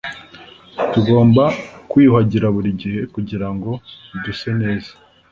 tugomba kwiyuhagira buri gihe kugirango duse neza